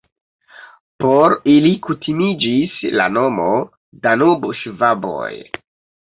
Por ili kutimiĝis la nomo "Danubŝvaboj".